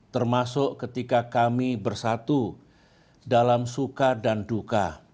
termasuk ketika kami bersatu dalam suka dan duka